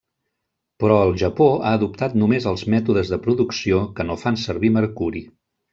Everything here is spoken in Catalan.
Però el Japó ha adoptat només els mètodes de producció que no fan servir mercuri.